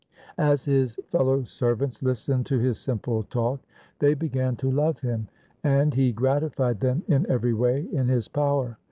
As his fellow servants listened to his simple talk, they began to love him and he gratified them in every way in his power.